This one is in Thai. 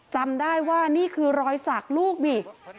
จำได้ว่านี่คือรอยสักลูกนี่